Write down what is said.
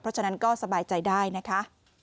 เพราะฉะนั้นก็สบายใจได้นะคะ